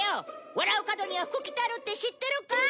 「笑う門には福来たる」って知ってるか？